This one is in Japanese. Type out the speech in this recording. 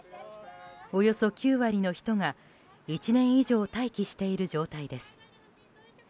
およそ９割の人が１年以上待機している状態です。